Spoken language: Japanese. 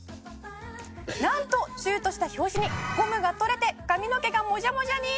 「なんとシュートした拍子にゴムが取れて髪の毛がモジャモジャに」